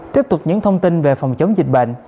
tiếp tục những thông tin về phòng chống dịch bệnh